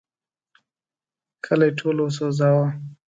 کلی ټول وسوځاوه.